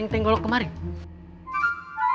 kuntet menemukan tas istri saya